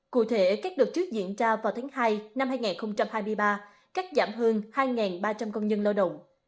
cụ thể các đợt trước diễn ra vào tháng hai năm hai nghìn hai mươi ba cắt giảm hơn hai ba trăm linh công nhân lao động